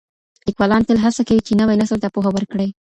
ليکوالان تل هڅه کوي چي نوي نسل ته پوهه ورکړي.